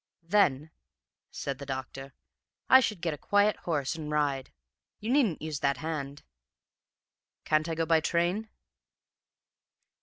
"'Then,' said the doctor, 'I should get a quiet horse and ride. You needn't use that hand.' "'Can't I go by train?'